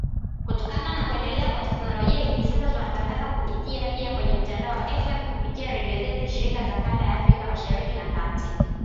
Kutokana na kuendelea kwa teknolojia hivi sasa tunatangaza kupitia pia kwenye mitambo ya FM kupitia redio zetu shirika za kanda ya Afrika Mashariki na Kati